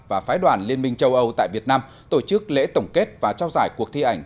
và phái đoàn liên minh châu âu tại việt nam tổ chức lễ tổng kết và trao giải cuộc thi ảnh